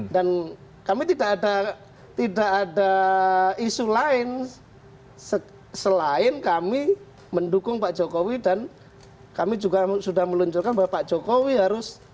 dan kami tidak ada isu lain selain kami mendukung pak jokowi dan kami juga sudah meluncurkan bahwa pak jokowi harus